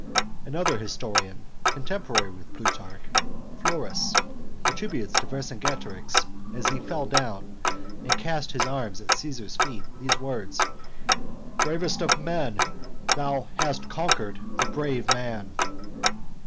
Another historian, contemporary with Plutarch, Florus, attributes to Vercingetorix, as he fell down and cast his arms at Caesar's feet, these words: "Bravest of men, thou hast conquered a brave man."